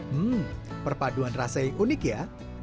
hmm perpaduan rasa yang unik ya